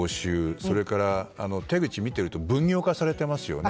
それから手口を見ていると分業化されていますよね。